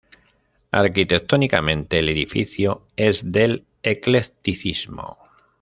Arquitectónicamente, el edificio es del eclecticismo.